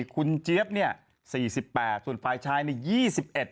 คุณเจี๊บ๔๘ปีส่วนฝ่ายชายเนี่ย๒๑ปี